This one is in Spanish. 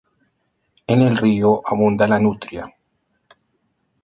En el río abunda la nutria.